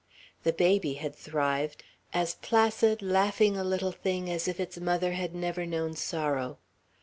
The baby had thrived; as placid, laughing a little thing as if its mother had never known sorrow.